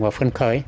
và phân khởi